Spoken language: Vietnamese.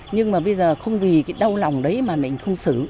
nhưng mà bây giờ không vì cái đau lòng đấy mà mình không xử